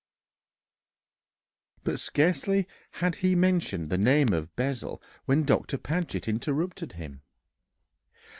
But scarcely had he mentioned the name of Bessel when Doctor Paget interrupted him.